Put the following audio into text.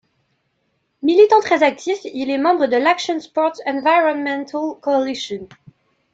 Militant très actif, il est membre de l'Action Sports Environmental Coalition.